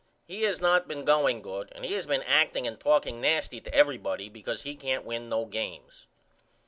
He has not been going good and he has been acting and talking nasty to everybody because he can't win no games.